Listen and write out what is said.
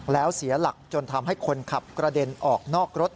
แล้วเสียหลักจนทำให้คนขับกระเด็นออกนอกรถ